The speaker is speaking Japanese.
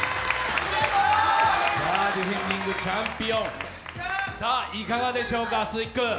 ディフェンディングチャンピオン、いかがでしょうか、鈴木君。